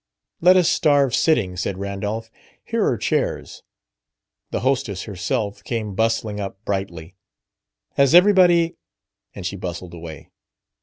"Let us starve sitting," said Randolph, "Here are chairs." The hostess herself came bustling up brightly. "Has everybody...?" And she bustled away.